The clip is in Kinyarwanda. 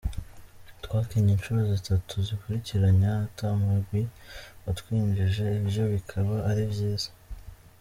"Twakinye incuro zitatu zikurikiranya ata mugwi utwinjije, ivyo bikaba ari vyiza.